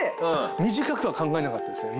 「短く」は考えなかったですね。